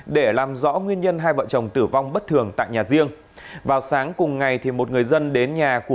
để làm rõ nguyên nhân hai vợ chồng tử vong bất thường tại nhà riêng vào sáng cùng ngày một người dân đến nhà của